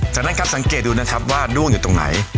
จากนั้นครับสังเกตดูนะครับว่าด้วงอยู่ตรงไหน